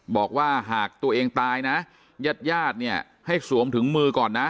บอกว่าหากตัวเองตายนะญาติญาติเนี่ยให้สวมถุงมือก่อนนะ